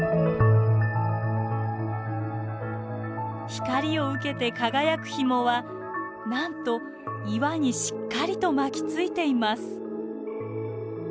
光を受けて輝くヒモはなんと岩にしっかりと巻きついています。